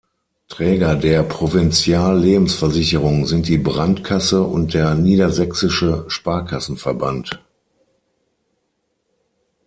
Träger der Provinzial Lebensversicherung sind die Brandkasse und der niedersächsische Sparkassenverband.